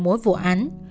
ngoài đôi phút nhẹ nhóm